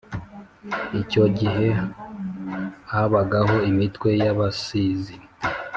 Icyo gihe habagaho imitwe y’abasizi.